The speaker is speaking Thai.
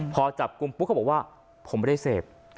พอจับกลุ่มปุ๊บเขาบอกว่าผมไม่ได้เสพ